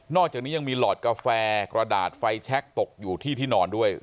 อกจากนี้ยังมีหลอดกาแฟกระดาษไฟแชคตกอยู่ที่ที่นอนด้วย